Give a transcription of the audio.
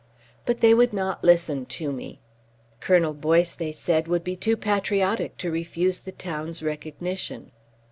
But they would not listen to me. Colonel Boyce, they said, would be too patriotic to refuse the town's recognition.